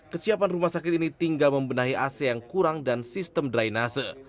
kesiapan rumah sakit ini tinggal membenahi ac yang kurang dan sistem drainase